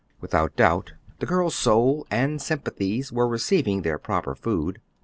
Without doubt the girl's soul and sympathies were receiving their proper food.